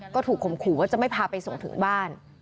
ก็ถูกข่มขู่ว่าจะไม่พาไปส่งถึงบ้าน